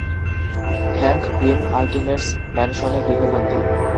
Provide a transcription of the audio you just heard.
Hank Pym Ultimates ম্যানসনে গৃহবন্দী।